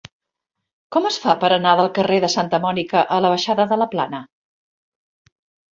Com es fa per anar del carrer de Santa Mònica a la baixada de la Plana?